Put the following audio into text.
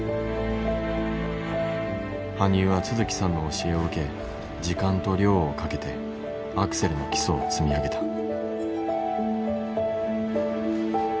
羽生は都築さんの教えを受け時間と量をかけてアクセルの基礎を積み上げた。